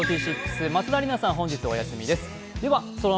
松田里奈さんは本日お休みです。